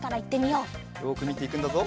よくみていくんだぞ。